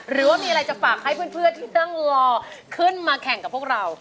หรือว่ามีอะไรจะฝากให้เพื่อนที่ต้องรอขึ้นมาแข่งกับพวกเรา